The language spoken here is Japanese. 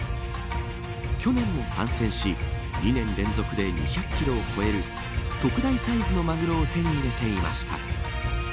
去年も参戦し２年連続で２００キロを超える特大サイズのマグロを手に入れていました。